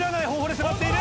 登っている！